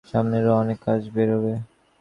সামনে ওর অনেক কাজ বেরোবে।